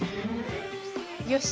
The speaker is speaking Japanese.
よし！